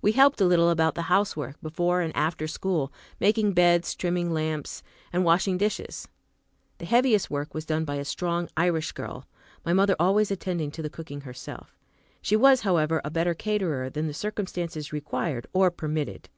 We helped a little about the housework, before and after school, making beds, trimming lamps, and washing dishes. The heaviest work was done by a strong Irish girl, my mother always attending to the cooking herself. She was, however, a better caterer than the circumstances required or permitted.